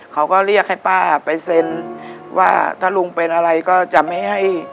เขาก็เรียกให้ป้าไปเซ็นว่าถ้าลุงเป็นอะไรก็จะไม่ให้